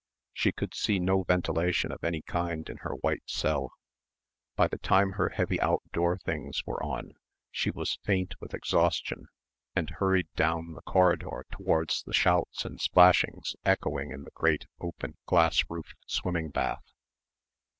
She could see no ventilation of any kind in her white cell. By the time her heavy outdoor things were on she was faint with exhaustion, and hurried down the corridor towards the shouts and splashings echoing in the great, open, glass roofed swimming bath.